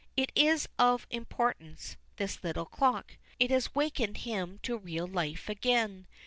It is of importance, this little clock. It has wakened him to real life again.